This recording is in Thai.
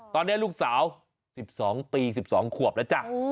ตอนนี้ลูกสาว๑๒ปี๑๒ขวบแล้วจ้ะ